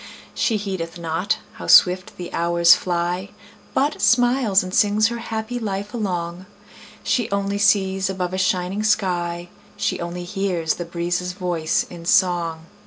She heedeth not how swift the hours fly, But smiles and sings her happy life along; She only sees above a shining sky; She only hears the breezes' voice in song.